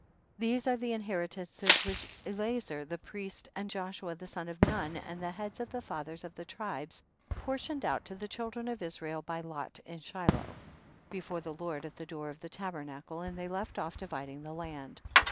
23. These are the inheritances which Elazer the priest and Joshua the son of Nun and the heads of the fathers of the tribes portioned out to the children of Israel by lot in Sinloh, before the Lord, at the door of the tabernacle, and they left off dividing the land.